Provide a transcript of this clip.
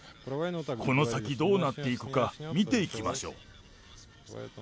この先どうなっていくか、見ていきましょう。